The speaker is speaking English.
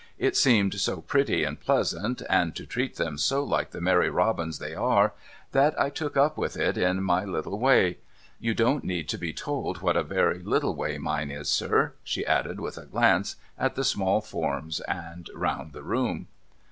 It seemed so pretty and pleasant, and to treat them so like the merry Robins they are, that I took up with it in my little way. You don't need to be told what a very little way mine is, sir,' she added with a glance at the small forms and round the room.